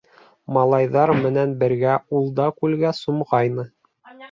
Малайҙар менән бергә ул да күлгә сумғайны.